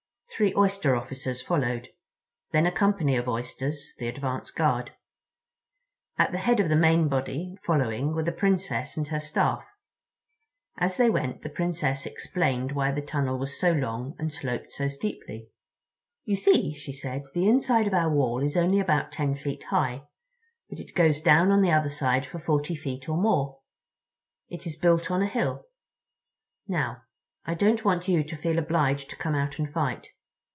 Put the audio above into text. Three Oyster officers followed, then a company of Oysters, the advance guard. At the head of the main body following were the Princess and her Staff. As they went the Princess explained why the tunnel was so long and sloped so steeply. "You see," she said, "the inside of our wall is only about ten feet high, but it goes down on the other side for forty feet or more. It is built on a hill. Now, I don't want you to feel obliged to come out and fight.